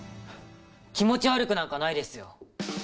気持ち悪くなんかないですよ。